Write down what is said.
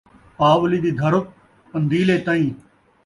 پاولی دی دھرک پندیلے تئیں